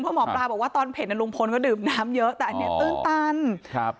เพราะหมอปลาบอกว่าตอนเผ็ดน่ะลุงพลก็ดื่มน้ำเยอะแต่อันนี้ตื้นตันครับ